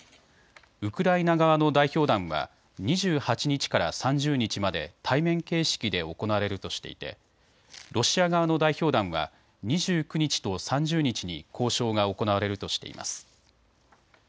ウクライナ側の代表団は２８日から３０日まで対面形式で行われるとしていてロシア側の代表団は２９日と３０日に交渉が行われるとしています。